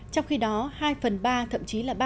trong khi đó hai phần ba thậm chí là ba phần bốn